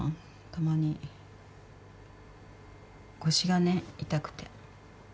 たまに腰がね痛くて。